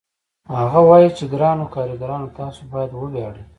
هغه وايي چې ګرانو کارګرانو تاسو باید وویاړئ